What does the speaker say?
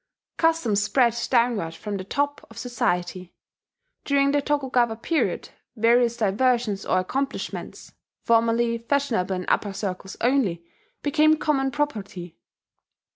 Customs spread downward from the top of society. During the Tokugawa period, various diversions or accomplishments, formerly fashionable in upper circles only, became common property.